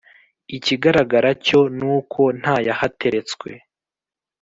ikigaragara cyo nuko ntayahateretswe